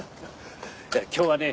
今日はね